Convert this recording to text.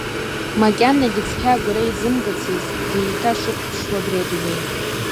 Макьанагьы цқьа агәра изымгацызт деиҭашықәыԥшуа абри адунеи.